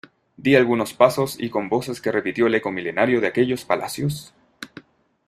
di algunos pasos, y con voces que repitió el eco milenario de aquellos palacios ,